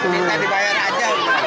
minta dibayar aja